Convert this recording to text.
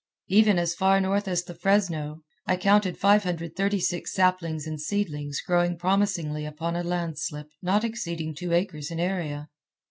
Even as far north as the Fresno, I counted 536 saplings and seedlings, growing promisingly upon a landslip not exceeding two acres in area.